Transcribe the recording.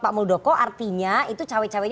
pak muldoko artinya itu cawe cawe